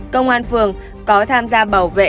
công an phường có tham gia bảo vệ